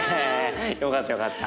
よかったよかった。